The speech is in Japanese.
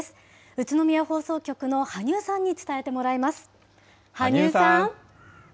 宇都宮放送局の羽生さんに伝えてもらいます。